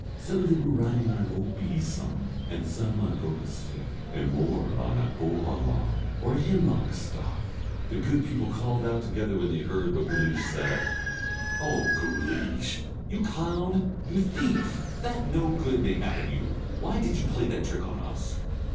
Some of them were riding on an old besom, and some on a broken stick, and more on a bohalawn or a hemlock stalk. The good people called out together when they heard what Guleesh said: "O Guleesh, you clown, you thief, that no good may happen you! Why did you play that trick on us?"